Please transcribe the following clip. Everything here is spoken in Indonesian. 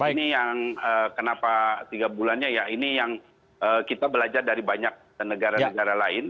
ini yang kenapa tiga bulannya ya ini yang kita belajar dari banyak negara negara lain